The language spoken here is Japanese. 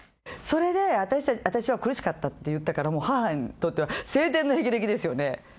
それで「私は苦しかった」って言ったから母にとっては青天の霹靂ですよね